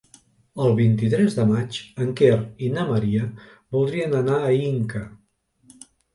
El vint-i-tres de maig en Quer i na Maria voldrien anar a Inca.